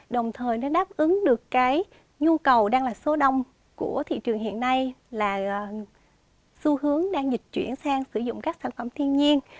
đồng thời nó đáp ứng được cái nhu cầu đang là số đông của thị trường hiện nay là xu hướng đang dịch chuyển sang sử dụng các sản phẩm thiên nhiên